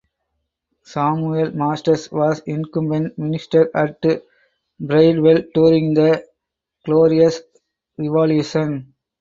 Samuel Masters was incumbent minister at Bridewell during the Glorious Revolution.